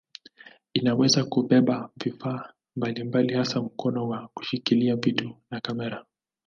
Inaweza kubeba vifaa mbalimbali hasa mkono wa kushikilia vitu na kamera.